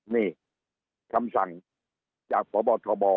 นี่คำสั่งจากพบทบ